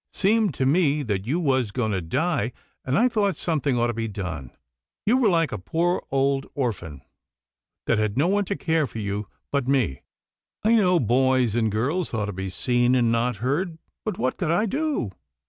Seemed to me, that you was going to die, and I thought something ought to be done. You were like a poor old orphan that had no one to care for you but me. I know boys and girls ought to be seen and not heard, but what could I do?